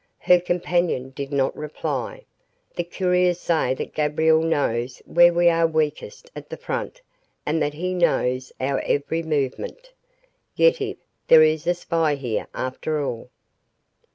Her companion did not reply. "The couriers say that Gabriel knows where we are weakest at the front and that he knows our every movement. Yetive, there is a spy here, after all."